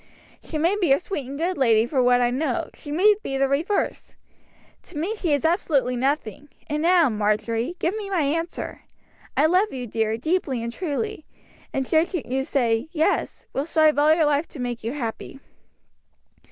She may be a sweet and good lady for what I know; she may be the reverse. To me she is absolutely nothing; and now, Marjory, give me my answer. I love you, dear, deeply and truly; and should you say, 'Yes,' will strive all my life to make you happy."